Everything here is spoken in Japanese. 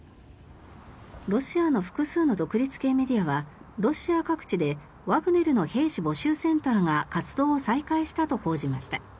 ロシアの複数の独立系メディアはロシア各地でワグネルの兵士募集センターが活動を再開したと報じました。